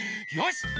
よし。